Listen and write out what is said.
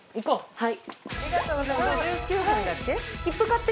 はい。